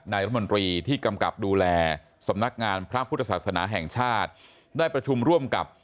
นายรัฐมนตรีที่กำกับดูแลสำนักงานพระพุทธศาสนาแห่งชาติได้ประชุมร่วมกับ